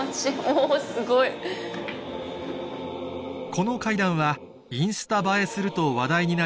この階段はインスタ映えすると話題になり